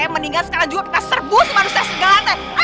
mendingan sekarang juga kita serbus manusia serigala teh